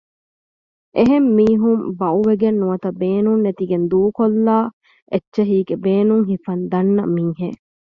އެހެން މީހުން ބައުވެގެން ނުވަތަ ބޭނުން ނެތިގެން ދޫކޮށްލާ އެއްޗެހީގެ ބޭނުން ހިފަން ދަންނަ މީހެއް